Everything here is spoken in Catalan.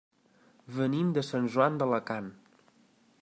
Venim de Sant Joan d'Alacant.